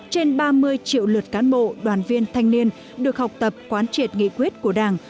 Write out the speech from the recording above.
trên ba mươi triệu lượt cán bộ đoàn viên thanh niên được học tập quán triệt nghị quyết của đảng